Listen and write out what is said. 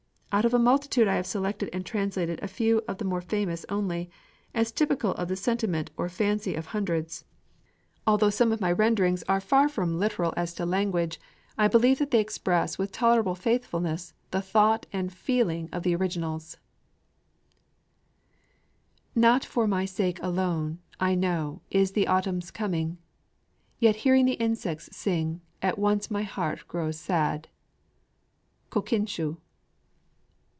Out of a multitude I have selected and translated a few of the more famous only, as typical of the sentiment or fancy of hundreds. Although some of my renderings are far from literal as to language, I believe that they express with tolerable faithfulness the thought and feeling of the originals: Not for my sake alone, I know, is the autumn's coming; Yet, hearing the insects sing, at once my heart grows sad. KOKINSHŪ.